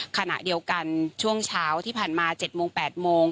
ขณะเดียวกันช่วงเช้าที่ผ่านมา๗โมง๘โมง